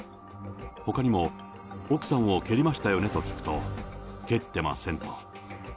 ほかにも奥さんを蹴りましたよね？と聞くと、蹴ってませんと。